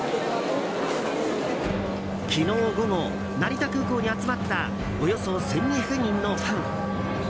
昨日午後、成田空港に集まったおよそ１２００人のファン。